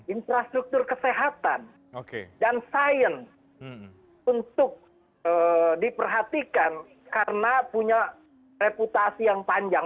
infrastruktur kesehatan dan sains untuk diperhatikan karena punya reputasi yang panjang